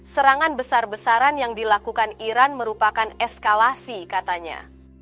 serangan besar besaran yang dilakukan iran merupakan eskalasi katanya